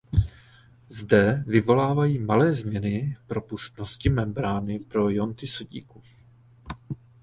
Zde vyvolávají malé změny propustnosti membrány pro ionty sodíku.